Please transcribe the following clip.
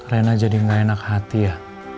rena jadi gak enak hati ya